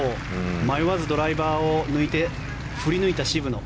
迷わずドライバーを抜いて振り抜いた渋野。